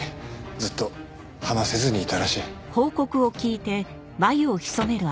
ずっと話せずにいたらしい。